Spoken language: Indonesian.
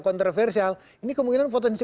kontroversial ini kemungkinan potensi